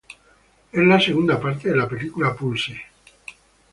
Es la segunda parte de la película Pulse.